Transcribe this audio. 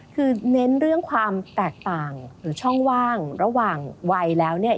คือเน้นเรื่องความแตกต่างหรือช่องว่างระหว่างวัยแล้วเนี่ย